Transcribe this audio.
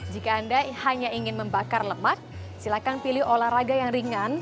jika anda hanya ingin membakar lemak silakan pilih olahraga yang ringan